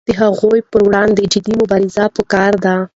د هغو پر وړاندې جدي مبارزه پکار ده.